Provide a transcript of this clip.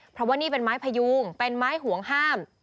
เพราะว่านี่เป็นไม้พยูงเป็นไม้ห่วงห้าม